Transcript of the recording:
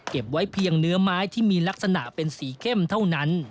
ไว้เพียงเนื้อไม้ที่มีลักษณะเป็นสีเข้มเท่านั้น